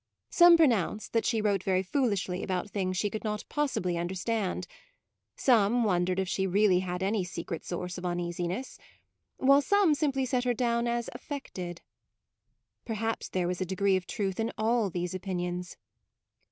Some pronounced that she wrote very foolishly about things she could not possibly understand; some wondered if she really had any secret MAUDE , 13 source of uneasiness; while some simply set her down as affected. Perhaps there was a degree of truth in all these opinions.